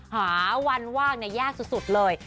หาวันว่างเนี่ยยากสุดเลย